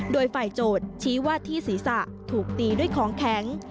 โดยฝ่ายโจทย์ชี้ว่าที่ศีรษะถูกตีด้วยของแข็ง